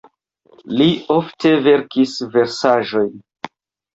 Li ofte verkis versaĵojn.